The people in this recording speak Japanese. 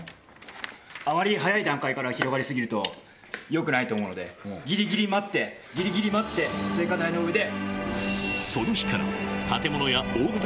あまり早い段階から広がり過ぎるとよくないと思うのでギリギリ待って聖火台の上で。